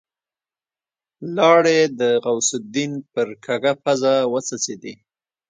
لاړې د غوث الدين پر کږه پزه وڅڅېدې.